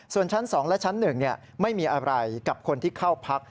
ส่วนชั้น๒และชั้น๑ไม่มีอะไรกับคนที่เข้าพัก